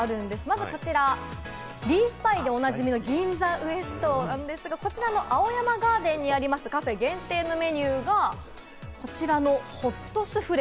まずはこちら、リーフパイでおなじみ銀座ウエスト、こちらの青山ガーデンにあるカフェ限定のメニューが、こちらのホットスフレ。